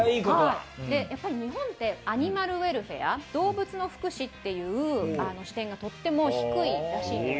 やっぱり日本って、アニマルウエルフェア、動物の福祉という視点がとっても低いらしいんです。